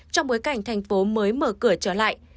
trong bối cảnh thành phố mới mở cửa trở lại